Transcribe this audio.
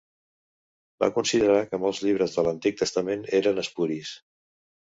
Va considerar que molts llibres de l'Antic Testament eren espuris.